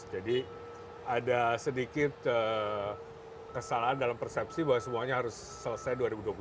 jadi ada sedikit kesalahan dalam persepsi bahwa semuanya harus selesai dua ribu dua puluh empat